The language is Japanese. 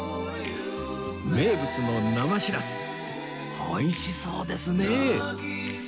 名物の生しらすおいしそうですね